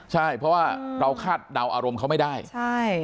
ใช่เพราะว่าเราคาดเดาอารมณ์เขาไม่ได้ใช่